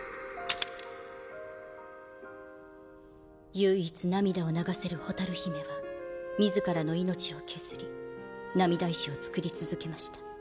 唯一涙を流せる蛍姫は自らの命を削り涙石を作り続けました。